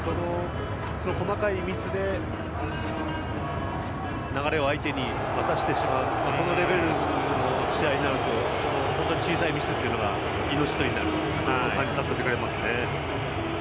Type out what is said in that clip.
細かいミスで流れを相手に渡してしまうこのレベルの試合になると小さいミスが命取りになるということを感じさせてくれますね。